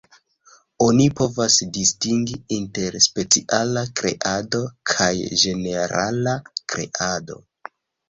Oni povas distingi inter 'speciala kreado' kaj ĝenerala kreado.